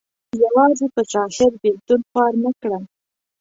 یوازې په ظاهر بېلتون خوار نه کړم.